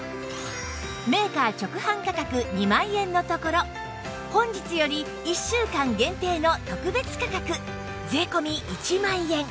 メーカー直販価格２万円のところ本日より１週間限定の特別価格税込１万円